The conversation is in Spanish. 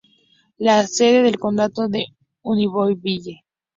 La sede del condado es Unionville.